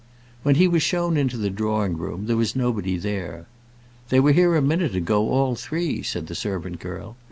When he was shown into the drawing room there was nobody there. "They were here a minute ago, all three," said the servant girl.